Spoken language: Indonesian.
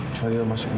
fadil masuk dulu